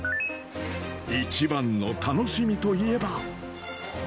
一番の楽しみといえば。